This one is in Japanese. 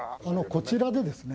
こちらでですね